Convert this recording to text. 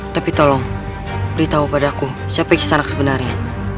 tapi tolong beritahu padaku siapa kisanak sebenarnya